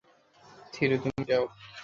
থিরু তুমি যাও।